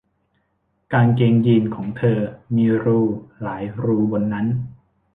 กางเกงยีนส์ของเธอมีรูหลายรูบนนั้น